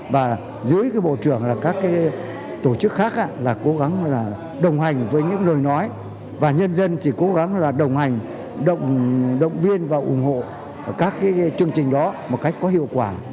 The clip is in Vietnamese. và dưới bộ trưởng là các tổ chức khác là cố gắng là đồng hành với những lời nói và nhân dân thì cố gắng là đồng hành động viên và ủng hộ các cái chương trình đó một cách có hiệu quả